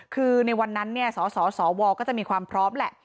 คือในวันนั้นสสวก็จะมีความพร้อมแหละ